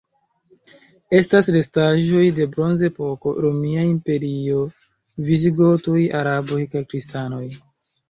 Estas restaĵoj de Bronzepoko, Romia Imperio, visigotoj, araboj kaj kristanoj.